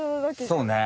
そうね。